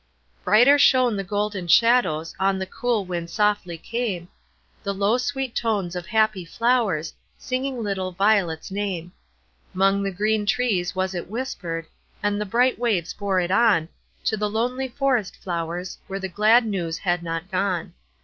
Brighter shone the golden shadows; On the cool wind softly came The low, sweet tones of happy flowers, Singing little Violet's name. 'Mong the green trees was it whispered, And the bright waves bore it on To the lonely forest flowers, Where the glad news had not gone.